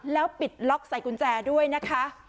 แล้วปิดล็อกใส่กุญแจด้วยนะคะ